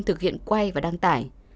thực hiện quay và đăng tải